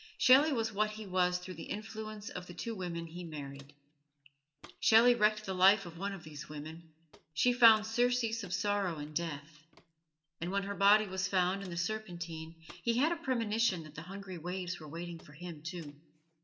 Shelley was what he was through the influence of the two women he married. Shelley wrecked the life of one of these women. She found surcease of sorrow in death; and when her body was found in the Serpentine he had a premonition that the hungry waves were waiting for him, too.